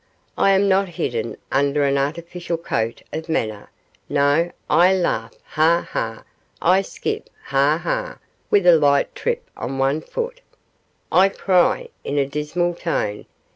I am not hidden under an artificial coat of manner. No, I laugh ha! ha! I skip, ha! ha!' with a light trip on one foot. 'I cry,' in a dismal tone.